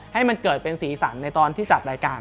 ให้มันเกิดเป็นสีสันในตอนที่จัดรายการ